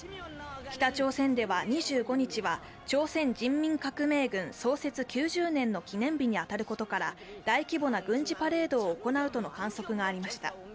北朝鮮では２５日は朝鮮人民革命軍創設９０年の記念日に当たることから大規模な軍事パレードを行うとの観測がありました。